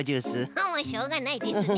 もうしょうがないですね。